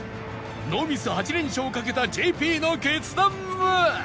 ノーミス８連勝をかけた ＪＰ の決断は！？